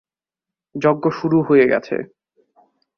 যজ্ঞ শুরু হয়ে গেছে!